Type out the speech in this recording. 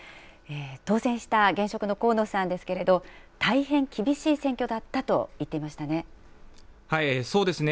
当選した現職の河野さんですけれども、大変厳しい選挙だったと言っていましたね。